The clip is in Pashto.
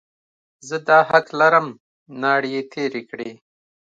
زه دا حق لرم، ناړې یې تېرې کړې.